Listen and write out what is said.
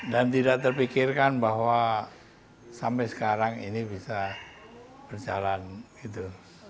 dan tidak terpikirkan bahwa sampai sekarang ini bisa berjalan gitu